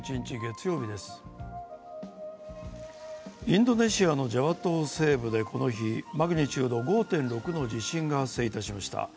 インドネシアのジャワ島西部でこの日、マグニチュード５．６の地震が発生いたしました。